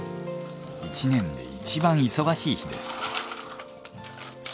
１年でいちばん忙しい日です。